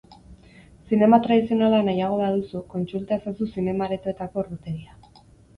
Zinema tradizionala nahiago baduzu, kontsulta ezazu zinema-aretoetako ordutegia.